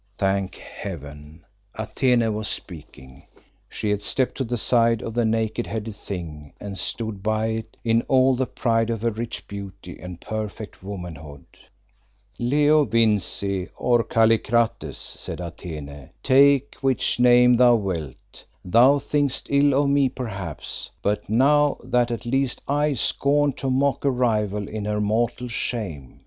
Thank Heaven, Atene was speaking. She had stepped to the side of the naked headed Thing, and stood by it in all the pride of her rich beauty and perfect womanhood. "Leo Vincey, or Kallikrates," said Atene, "take which name thou wilt; thou thinkest ill of me perhaps, but know that at least I scorn to mock a rival in her mortal shame.